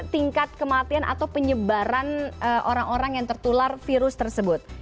tingkat kematian atau penyebaran orang orang yang tertular virus tersebut